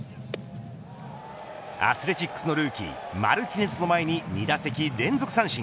アスレチックスのルーキーマルティネスを前に２打席連続三振。